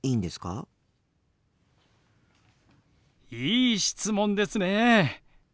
いい質問ですね！